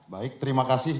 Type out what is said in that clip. baik terima kasih